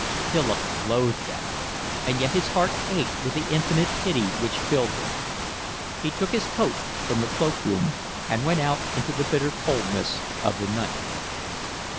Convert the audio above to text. Philip loathed them, and yet his heart ached with the infinite pity which filled him. He took his coat from the cloak room and went out into the bitter coldness of the night.